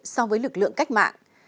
so với lực lượng cách mạng